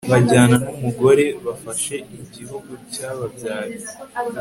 Bajyana numugore bafashe igihugu cyababyaye